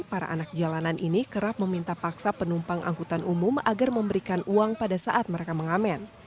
para anak jalanan ini kerap meminta paksa penumpang angkutan umum agar memberikan uang pada saat mereka mengamen